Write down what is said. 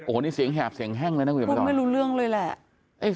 โอ้โหนี่เสียงแหบเสียงแห้งเลยนะคุณผู้ชมพูดไม่รู้เรื่องเลยแหละ